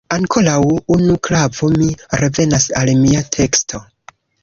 Ankoraŭ unu klavo – mi revenas al mia teksto.